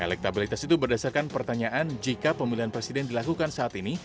elektabilitas itu berdasarkan pertanyaan jika pemilihan presiden dilakukan saat ini